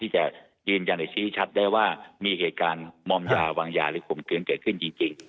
จะยืนยันหรือชี้ชัดได้ว่ามีเหตุการณ์มอมยาวางยาหรือข่มเกลือนเกิดขึ้นจริง